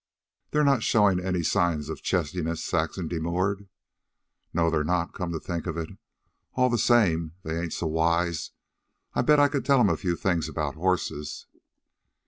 "But they're not showing any signs of chestiness," Saxon demurred. "No, they're not, come to think of it. All the same, they ain't so wise. I bet I could tell 'em a few about horses."